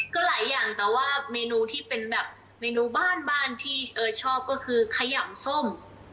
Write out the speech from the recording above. ก็หลายอย่างแต่ว่าเมนูที่เป็นแบบเมนูบ้านบ้านที่ชอบก็คือขยำส้ม